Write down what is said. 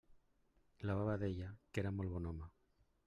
La baba deia que era molt bon home.